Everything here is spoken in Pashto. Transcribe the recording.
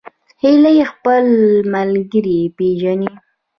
هیلۍ خپل ملګري پیژني